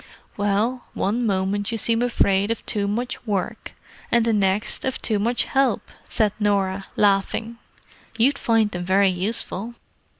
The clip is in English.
"Well, one moment you seem afraid of too much work, and the next, of too much help," said Norah, laughing. "You'd find them very useful."